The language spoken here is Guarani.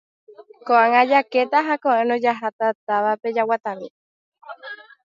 ko'ág̃a jakéta ha ko'ẽrõ jaháta távape jaguatami.